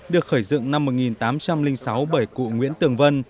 được khởi dựng năm một nghìn tám trăm linh sáu bởi cụ nguyễn tường vân